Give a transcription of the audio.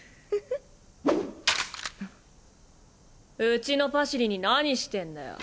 うちのパシリに何してんだよ？